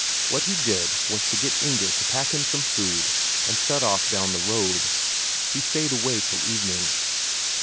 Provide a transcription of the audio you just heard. What he did was to get Inger to pack him up some food, and set off down the road. He stayed away till evening.